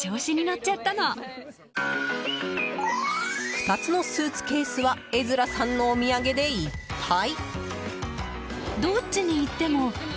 ２つのスーツケースはエズラさんのお土産でいっぱい！